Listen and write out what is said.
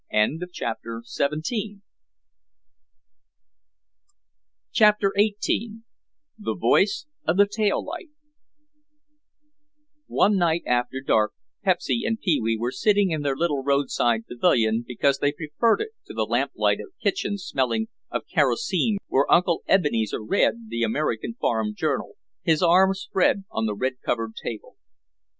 CHAPTER XVIII THE VOICE OF THE TAIL LIGHT One night after dark, Pepsy and Pee wee were sitting in their little roadside pavilion because they preferred it to the lamp lighted kitchen smelling of kerosene where Uncle Ebenezer read the American Farm Journal, his arms spread on the red covered table.